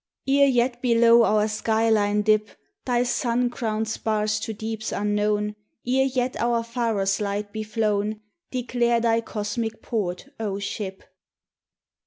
Ere yet below our sky line dip Thy sun crowned spars to deeps unknown, Ere yet our pharos light be flown, Declare thy cosmic port, O Ship!